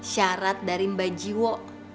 syarat dari mbak jiwo